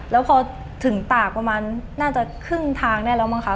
แล้วพอถึงตากประมาณน่าจะครึ่งทางได้แล้วมั้งคะ